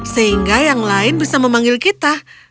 sehingga yang lain bisa memanggil kita